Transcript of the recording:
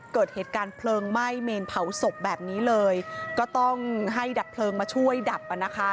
เกิดเหตุการณ์เพลิงไหม้เมนเผาศพแบบนี้เลยก็ต้องให้ดับเพลิงมาช่วยดับอ่ะนะคะ